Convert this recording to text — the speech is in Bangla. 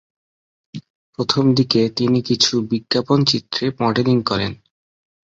প্রথমদিকে তিনি কিছু বিজ্ঞাপনচিত্রে মডেলিং করেন।